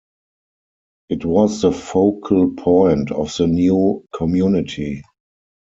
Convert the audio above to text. It was the focal point of the new community.